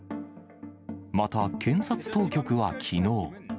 また、検察当局はきのう。